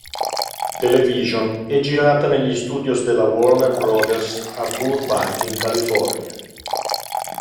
Television e girata negli studios della Warner Brothers a Burbank in California.